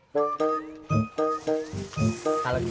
tidak ada yang nambah nay